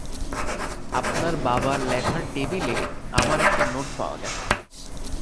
আপনার বাবার লেখার টেবিলে আমার একটা নোট পাওয়া গেছে।